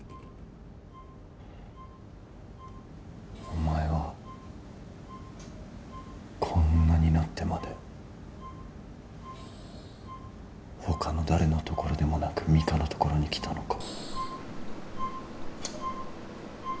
お前はこんなになってまで他の誰の所でもなくミカの所に来たのか。